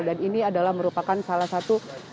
dan ini adalah merupakan salah satu